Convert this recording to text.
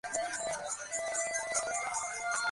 তিনি ইসলাম ধর্ম গ্রহণ করেন।